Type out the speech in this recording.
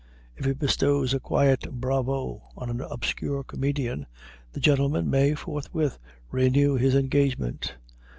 If he bestows a quiet "bravo" on an obscure comedian, the gentleman may forthwith renew his engagement.